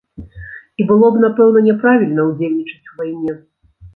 І было б, напэўна, няправільна ўдзельнічаць у вайне.